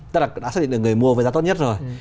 tức là đã xác định được người mua với giá tốt nhất rồi